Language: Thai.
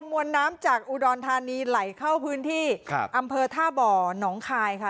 มวลน้ำจากอุดรธานีไหลเข้าพื้นที่ครับอำเภอท่าบ่อน้องคายค่ะ